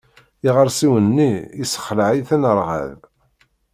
Iɣersiwen-nni yessexleε-iten rrεeḍ.